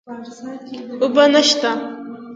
اوبه نشته